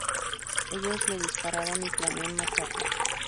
Ellos le dispararon y planean matarlo.